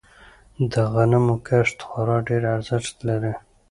د غنمو کښت خورا ډیر ارزښت لری.